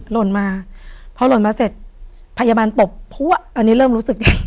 หล่นมาพอหล่นมาเสร็จพยาบาลตบพัวอันนี้เริ่มรู้สึกดี